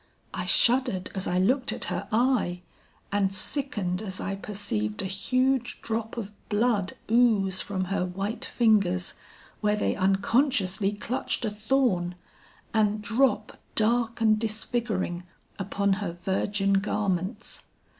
I shuddered as I looked at her eye, and sickened as I perceived a huge drop of blood ooze from her white fingers, where they unconsciously clutched a thorn, and drop dark and disfiguring upon her virgin garments.